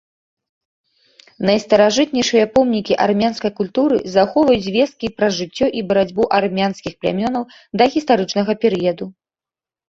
Найстаражытнейшыя помнікі армянскай культуры захоўваюць звесткі пра жыццё і барацьбу армянскіх плямёнаў дагістарычнага перыяду.